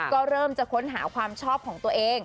ก็เริ่มจะค้นหาความชอบของตัวเอง